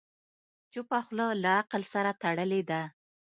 چپه خوله، له عقل سره تړلې ده.